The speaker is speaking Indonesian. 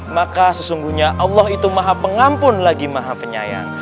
maka sesungguhnya allah itu maha pengampun lagi maha penyayang